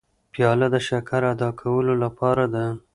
پیاله د شکر ادا کولو لاره ده.